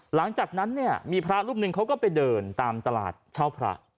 หลังจากนั้นเนี่ยมีพระรูปหนึ่งเขาก็ไปเดินตามตลาดเช่าพระ